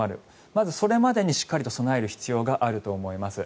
まずそれまでにしっかりと備える必要があると思います。